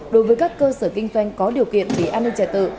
đối với các cơ sở kinh doanh có điều kiện về an ninh trật tự